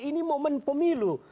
ini momen pemilu